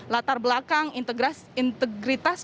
latar belakang integritas